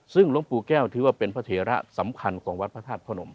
ซึ่งหลวงปู่แก้วถือว่าเป็นพระเถระสำคัญของวัดพระธาตุพระนม